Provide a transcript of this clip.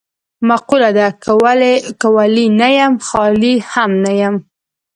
مقوله ده: که ولي نه یم خالي هم نه یم.